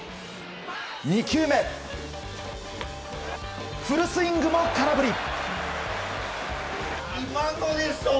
２球目フルスイングも、空振り。